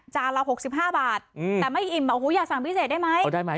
จานเราหกสิบห้าบาทอืมแต่ไม่อิ่มโอ้โหอย่าสั่งพิเศษได้ไหมเอาได้ไหม